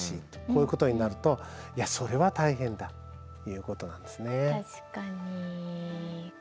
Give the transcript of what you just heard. こういうことになるといやそれは大変だということなんですね。